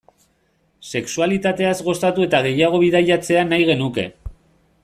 Sexualitateaz gozatu eta gehiago bidaiatzea nahi genuke.